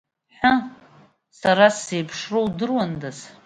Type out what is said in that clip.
Ҳы, сара сзеиԥшроу удыруандаз!